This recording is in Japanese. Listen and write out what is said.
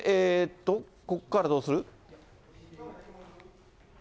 ここからどうする？